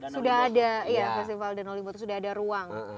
sudah ada festival dan hollywood sudah ada ruang